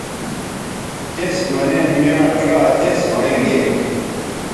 تس مہ نن میاں ڇا دس ھوینگے